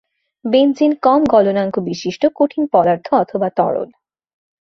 Benzene কম গলনাঙ্ক বিশিষ্ট কঠিন পদার্থ অথবা তরল।